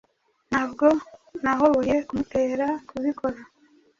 Ntabwo nahoboye kumutera kubikora